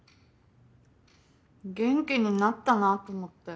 元気になったなと思って。